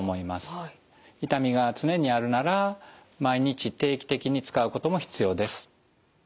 痛みが常にあるなら毎日定期的に使うことも必要です。